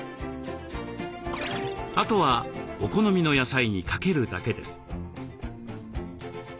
あとはお好みの野菜にかけるだけです。